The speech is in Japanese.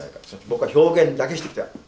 僕は表現だけしてきた。